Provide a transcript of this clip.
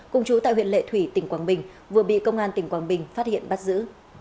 cùng chú tại huyện lệ thủy tỉnh quảng bình vừa bị công an tỉnh quảng bình phát hiện bắt giữ